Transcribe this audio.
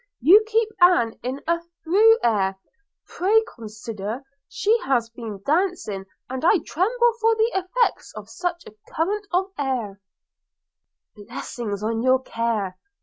you keep Ann in a thorough air – Pray consider – she has been dancing, and I tremble for the effects of such a current of air –' Blessings on your care!